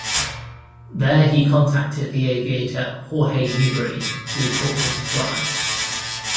There he contacted the aviator Jorge Newbery, who taught him to fly.